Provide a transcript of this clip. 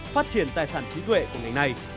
phát triển tài sản trí tuệ của ngành này